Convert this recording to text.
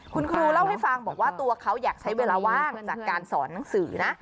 คุณครูเล่าให้ฟังบอกว่าตัวเขาอยากใช้เวลาว่างจากการสอนหนังสือนะ